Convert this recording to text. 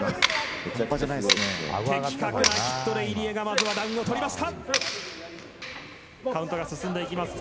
的確なヒットでまずは入江がダウンをとりました。